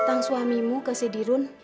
hutang suamimu ke si dirun